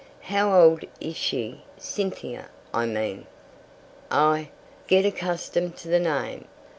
"How old is she Cynthia, I mean?" "Ay, get accustomed to the name.